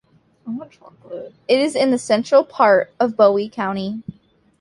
It is in the central part of Bowie County.